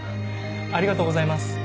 ありがとうございます。